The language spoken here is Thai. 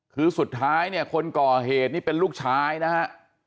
คือสุดท้ายเนี่ยคนก่อเหตุนี่เป็นลูกชายนะฮะ